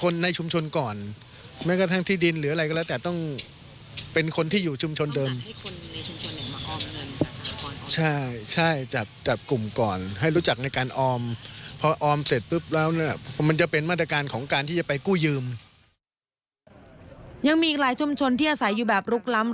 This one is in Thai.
ยังมีอีกหลายชุมชนที่อาศัยอยู่แบบลุกล้ำ